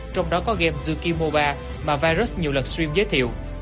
trong đó có game zukimoba mà virus nhiều lần stream giới thiệu